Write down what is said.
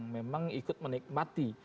memang ikut menikmati